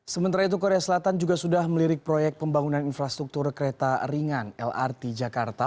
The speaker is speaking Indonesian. sementara itu korea selatan juga sudah melirik proyek pembangunan infrastruktur kereta ringan lrt jakarta